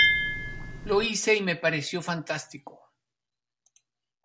Lo hice y me pareció fantástico.